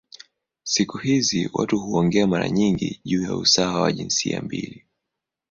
Siku hizi watu huongea mara nyingi juu ya usawa wa jinsia mbili.